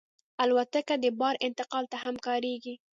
الوتکه د بار انتقال ته هم کارېږي.